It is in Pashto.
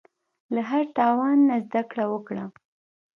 له هر تاوان نه زده کړه وکړه.